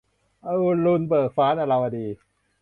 อรุณเบิกฟ้า - นราวดี